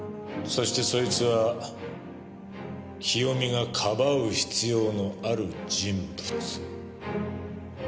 そしてそいつは清美が庇う必要のある人物。